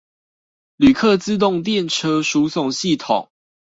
旅客自動電車輸送系統